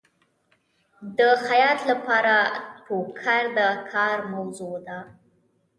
د خیاط لپاره ټوکر د کار موضوع ده.